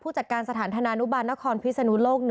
ผู้จัดการสถานทนานุบันนครพิศนุโลค